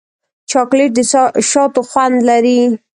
چاکلېټ د شاتو خوند لري.